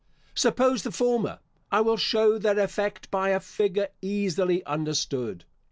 Suppose the former, I will show their effect by a figure easily understood.